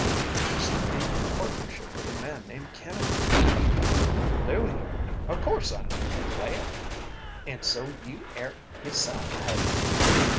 He used to be in partnership with a man named Kennedy." "Knew him o' course I knew him, lad! An' so you air his son, hey?